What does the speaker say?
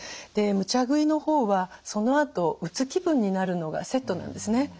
むちゃ食いの方はそのあとうつ気分になるのがセットなんですね。